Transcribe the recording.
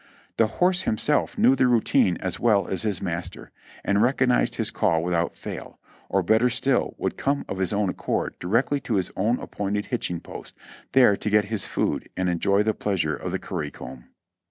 The horse himself knew the routine as well as his master, and recognized his call without fail, or better still would come of his own accord directly to his own appointed hitching post, there to get his food and enjoy the pleasure of the currycomb.